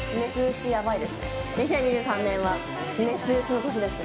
２０２３年はメス牛の年ですね。